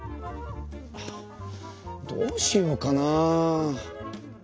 ああどうしようかな？